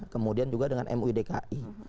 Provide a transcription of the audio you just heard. kemudian juga dengan muidki